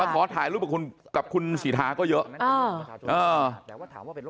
มาขอถ่ายรูปกับคุณสิทธาก็เยอะอ้าว